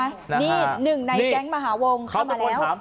นี่หนึ่งในแก๊งมหาวงเข้ามาแล้ว